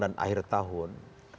dan akhir tahun